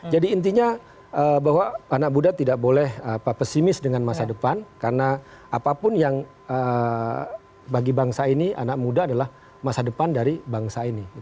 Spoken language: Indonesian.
jadi intinya bahwa anak muda tidak boleh pesimis dengan masa depan karena apapun yang bagi bangsa ini anak muda adalah masa depan dari bangsa ini